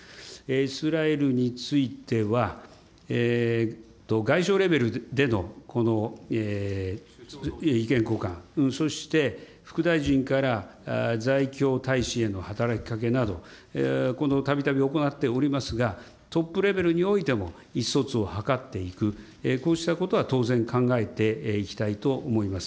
イスラエルについては、外相レベルでの意見交換、そして副大臣からざいきょう大使への働きかけなど、この、たびたび行っておりますが、トップレベルにおいても、意思疎通を図っていく、こうしたことは当然考えていきたいと思います。